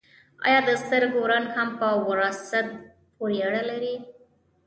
ایا د سترګو رنګ هم په وراثت پورې اړه لري